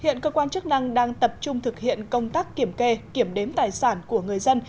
hiện cơ quan chức năng đang tập trung thực hiện công tác kiểm kê kiểm đếm tài sản của người dân